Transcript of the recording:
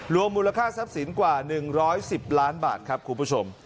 มูลค่าทรัพย์สินกว่า๑๑๐ล้านบาทครับคุณผู้ชม